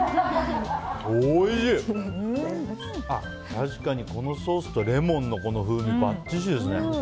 確かに、このソースとレモンの風味ばっちしですね。